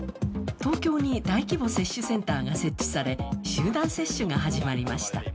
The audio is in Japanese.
東京に大規模接種センターが設置され、集団接種が始まりました。